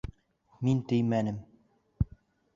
Мин теймәнем!